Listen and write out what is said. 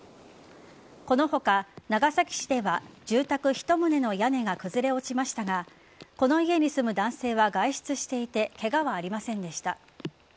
この他、長崎市では住宅１棟の屋根が崩れ落ちましたがこの家に住む男性は外出していてケガはありませんでした。